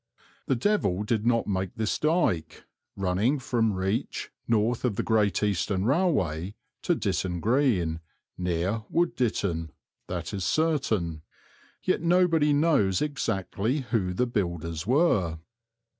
The devil did not make this dyke, running from Reach, north of the Great Eastern Railway, to Ditton Green, near Wood Ditton, that is certain; yet nobody knows exactly who the builders were.